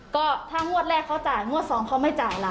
ก็ถ้างวดแรกเขาจ่ายงวดสองเขาไม่จ่ายล่ะ